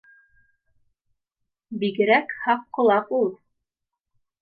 Бигерәк һаҡ ҡолаҡ ул